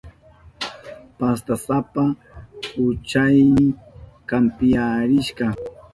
Pastasapa kuchaynin kampiyarishka.